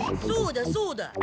そうだそうだ。